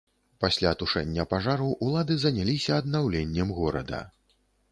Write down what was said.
Пасля тушэння пажару ўлады заняліся аднаўленнем горада.